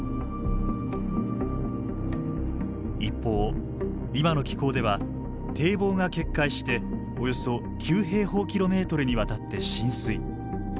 一方今の気候では堤防が決壊しておよそ９にわたって浸水。